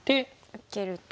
受けると。